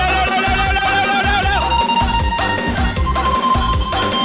เวลาดีเล่นหน่อยเล่นหน่อย